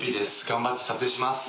頑張って撮影します。